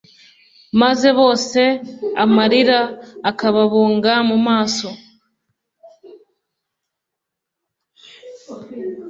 Maze bose amarira akababunga mu maso